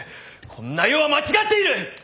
こんな世は間違っている！